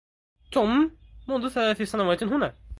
توم منذ ثلاث سنوات هنا.